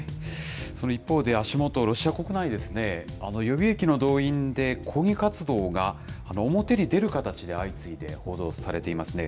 その一方で、足元、ロシア国内、予備役の動員で抗議活動が表に出る形で、相次いで報道されていますね。